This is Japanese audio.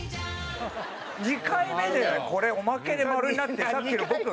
２回目でこれおまけで○になってさっきの僕が×？